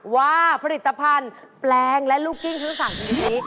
ว่าผลิตภัณฑ์แปลงและลูกกิ้งทั้ง๓ชนิดนี้